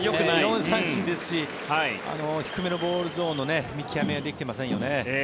４三振ですし低めのボールゾーンの見極めができてませんよね。